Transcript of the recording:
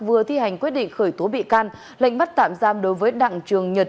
vừa thi hành quyết định khởi tố bị can lệnh bắt tạm giam đối với đặng trường nhật